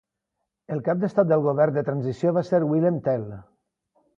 El cap d'Estat del govern de transició va ser Wilhelm Tell.